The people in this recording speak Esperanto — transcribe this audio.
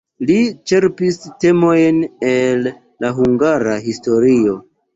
Li ĉerpis temojn el la hungara historio.